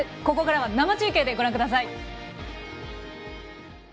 ここからは生中継でご覧ください。